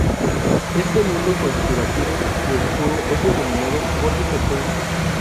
Este mundo conspirativo y oscuro es denominado "Gótico-Punk".